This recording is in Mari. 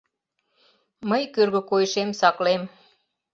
Мый кӧргӧ койышем саклем.